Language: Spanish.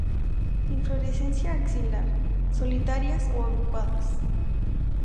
Inflorescencia axilar, solitarias o agrupadas.